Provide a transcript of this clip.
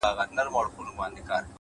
مثبت ذهن ناامیدي کمزورې کوي’